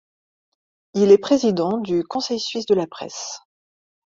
Il est président du Conseil suisse de la presse.